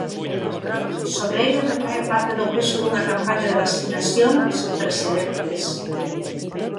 Sobre eles recae parte do peso dunha campaña de vacinación sen precedentes.